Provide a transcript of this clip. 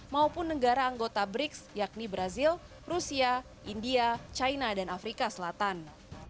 maupun negara anggota briks yakni brazil rusia india china dan afrika selatan